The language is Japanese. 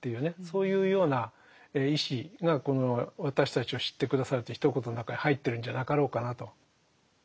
そういうような意思がこの「私たちを知って下さる」というひと言の中に入ってるんじゃなかろうかなと。